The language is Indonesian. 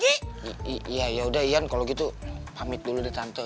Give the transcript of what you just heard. iya iya yaudah ian kalo gitu pamit dulu deh tante